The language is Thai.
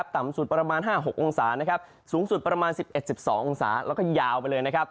ต่ำสุดประมาณ๕๖องศาสูงสุดประมาณ๑๑๑๒องศาแล้วก็ยาวไปเลยนะครับ